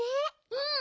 うん。